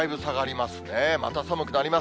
また寒くなります。